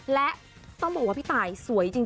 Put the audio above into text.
และต้องบอกว่าพี่ตายสวยจริง